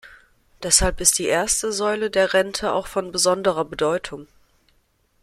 Deshalb ist die erste Säule der Rente auch von besonderer Bedeutung.